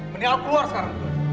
mendingan lu keluar sekarang